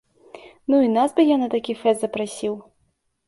Ну і нас бы я на такі фэст запрасіў!